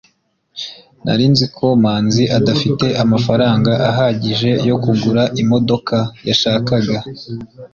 nari nzi ko manzi adafite amafaranga ahagije yo kugura imodoka yashakaga